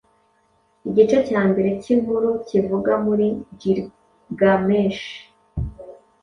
Igice cya mbere cyinkuru kivuga kuri Gilgamesh